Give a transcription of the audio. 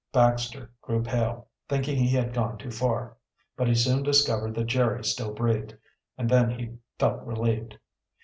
Baxter grew pale, thinking he had gone too far. But he soon discovered that Jerry still breathed, and then he felt relieved.